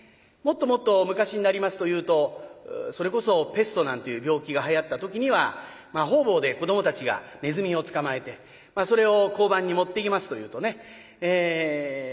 もっともっと昔になりますというとそれこそペストなんていう病気がはやった時には方々で子どもたちがネズミを捕まえてそれを交番に持っていきますというとね